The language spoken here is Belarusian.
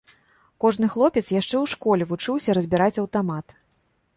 Кожны хлопец яшчэ ў школе вучыўся разбіраць аўтамат.